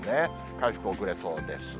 回復遅れそうです。